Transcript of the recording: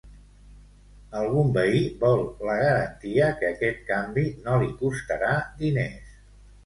Algun veí vol la garantia que aquest canvi no li costarà diners.